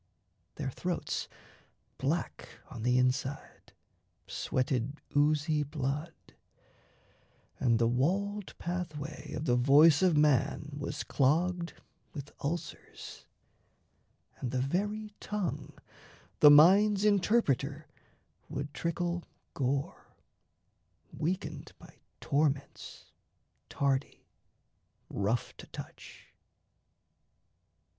Their throats, Black on the inside, sweated oozy blood; And the walled pathway of the voice of man Was clogged with ulcers; and the very tongue, The mind's interpreter, would trickle gore, Weakened by torments, tardy, rough to touch.